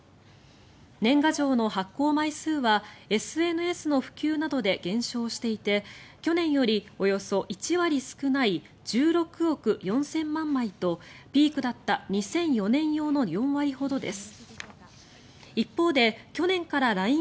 年賀状の発行枚数はＳＮＳの普及などで減少していて去年よりおよそ１割少ない１６億４０００万枚とピークだった２００４年用の４割ほどです。